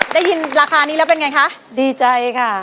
ได้ยินราคานี้แล้วเป็นไงคะดีใจค่ะ